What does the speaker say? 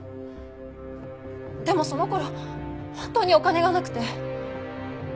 でもその頃本当にお金がなくて。